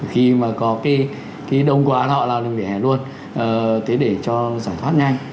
khi mà có cái đông quá họ leo lên vỉa hè luôn thế để cho giải thoát nhanh